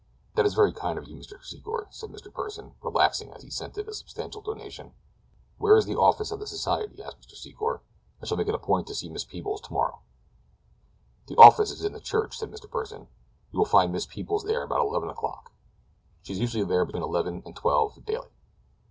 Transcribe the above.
"That is very kind of you, Mr. Secor," said Mr. Pursen, relaxing as he scented a substantial donation. "Where is the office of the society?" asked Mr. Secor. "I shall make it a point to see Miss Peebles tomorrow." "The office is in the church," said Mr. Pursen. "You will find Miss Peebles there about eleven o'clock. She is usually there between eleven and twelve daily."